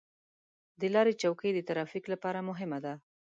د لارې چوکۍ د ترافیک لپاره مهمه ده.